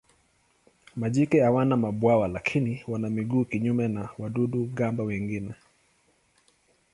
Majike hawana mabawa lakini wana miguu kinyume na wadudu-gamba wengine.